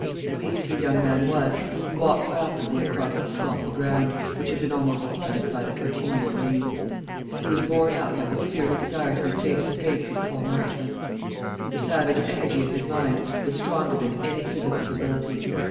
Weak as the young man was, he walked rapidly across the sloppy ground, which had been almost flooded by the continual rains. He was borne up by his fierce desire to be face to face with Paul Marchmont. The savage energy of his mind was stronger than any physical debility.